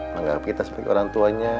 menganggap kita sebagai orang tuanya